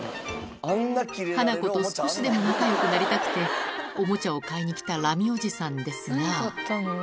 ハナコと少しでも仲よくなりたくて、おもちゃを買いに来たラミおじさんですが。